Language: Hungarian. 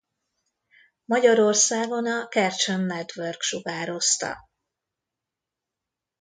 Magyarországon a Cartoon Network sugározta.